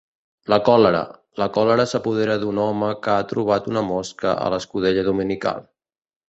La còlera: la còlera s'apodera d'un home que ha trobat una mosca a l'escudella dominical.